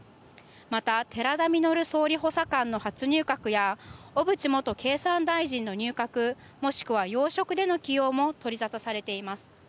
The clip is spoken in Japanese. また寺田稔総理補佐官の初入閣や小渕元経産大臣の入閣もしくは要職での起用も取り沙汰されています。